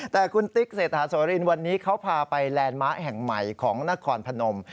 แต่คุณติ๊กเศรษฐาโสรินวันนี้เขาพาไปแลนด์มาร์คแห่งใหม่ของนครพนม